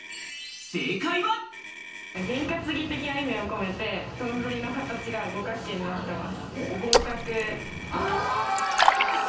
ゲン担ぎ的な意味を込めて、丼の形が五角形になってます。